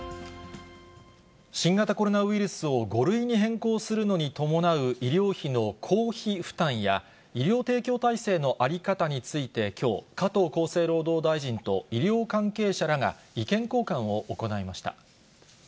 新型コロナウイルスを５類に変更するのに伴う医療費の公費負担や、医療提供体制の在り方について、きょう、加藤厚生労働大臣と医療関係者らが意見交換を行いました。